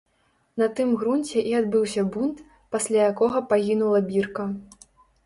На тым грунце і адбыўся бунт, пасля якога пагінула бірка.